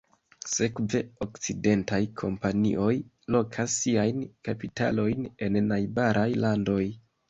Sekve, okcidentaj kompanioj lokas siajn kapitalojn en najbaraj landoj.